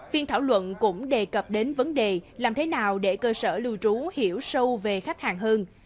phiên thảo luận cũng đề cập đến vấn đề làm thế nào để cơ sở lưu trú hiểu sâu về khách hàng hơn